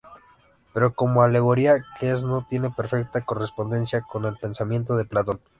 Pero, como alegoría que es, no tiene perfecta correspondencia con el pensamiento de Platón.